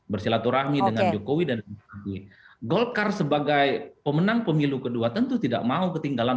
bersilaturahmi dengan jokowi dan golkar sebagai pemenang pemilu kedua tentu tidak mau ketinggalan